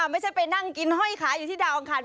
ไม่ใช่ไปนั่งกินห้อยขายอยู่ที่ดาวอังคาร